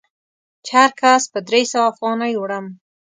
چې هر کس په درې سوه افغانۍ وړم.